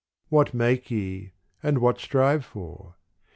What make ye and what strive for